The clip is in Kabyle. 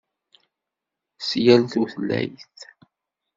S yal tutlayt.